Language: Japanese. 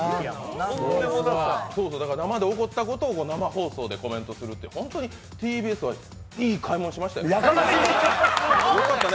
生で起こったことを生でお伝えする、本当にＴＢＳはいい買い物しましたよよかったね。